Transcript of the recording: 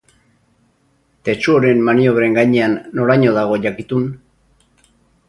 Tetsuoren maniobren gainean noraino dago jakitun?